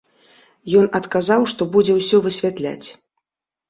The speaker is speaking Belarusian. Ён адказаў, што будзе ўсё высвятляць.